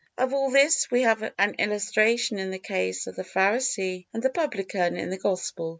Of all this we have an illustration in the case of the Pharisee and the Publican in the Gospel.